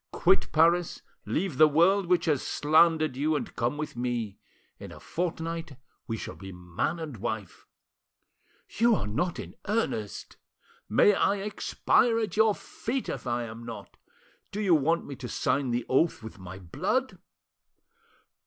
Quit Paris, leave the world which has slandered you, and come with me. In a fortnight we shall be man and wife." "You are not in earnest!" "May I expire at your feet if I am not! Do you want me to sign the oath with my blood?"